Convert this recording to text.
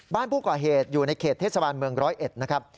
บ้านผู้ก่อเหตุอยู่ในเขตเทศบาลเมืองร้อยเอ็ดนะครับ